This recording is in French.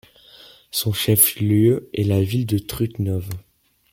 Son chef-lieu est la ville de Trutnov.